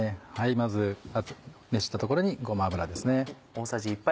まず熱したところにごま油です。